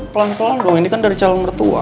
pelan pelan dong ini kan dari calon mertua